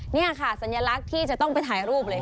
นี่ค่ะสัญลักษณ์ที่จะต้องไปถ่ายรูปเลย